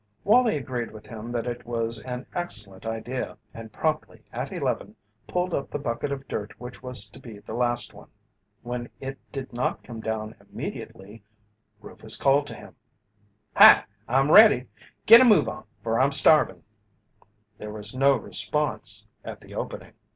Wallie agreed with him that it was an excellent idea and promptly at eleven pulled up the bucket of dirt which was to be the last one. When it did not come down immediately, Rufus called to him: "Hi! I'm ready! Get a move on, for I'm starvin'." There was no response at the opening.